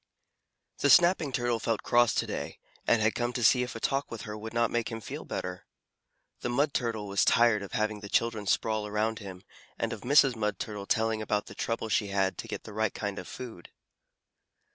The Snapping Turtle felt cross to day, and had come to see if a talk with her would not make him feel better. The Mud Turtle was tired of having the children sprawl around him, and of Mrs. Mud Turtle telling about the trouble she had to get the right kind of food.